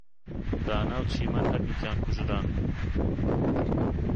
دانا و چیمەن هەردووکیان کوژران.